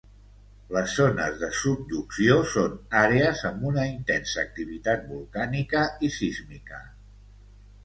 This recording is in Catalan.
Les zones de subducció són àrees amb una intensa activitat volcànica i sísmica.